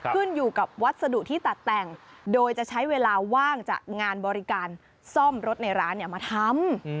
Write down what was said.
ขึ้นอยู่กับวัสดุที่ตัดแต่งโดยจะใช้เวลาว่างจากงานบริการซ่อมรถในร้านมาทำ